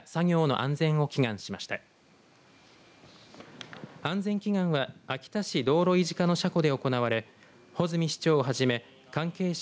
安全祈願は秋田市道路維持課の車庫で行われ穂積市長をはじめ関係者